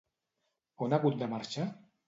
On ha hagut de marxar?